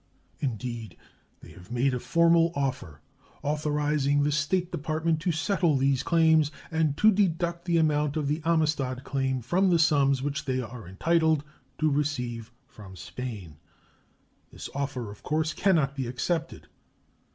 Indeed, they have made a formal offer authorizing the State Department to settle these claims and to deduct the amount of the Amistad claim from the sums which they are entitled to receive from Spain. This offer, of course, can not be accepted.